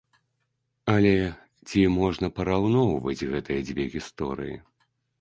Але ці можна параўноўваць гэтыя дзве гісторыі?